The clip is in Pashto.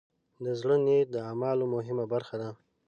د زړۀ نیت د اعمالو مهمه برخه ده.